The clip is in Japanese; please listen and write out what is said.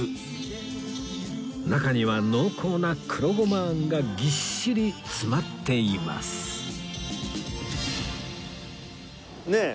中には濃厚な黒ゴマあんがぎっしり詰まっていますねえ。